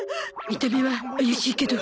見た目は怪しいけど。